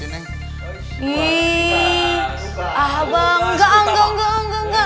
wih abah enggak enggak enggak enggak enggak